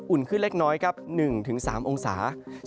๑๙๒๐อุ่นขึ้นเล็กน้อย๑๓องศาเซลเซียต